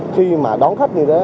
khi mà đón khách như đó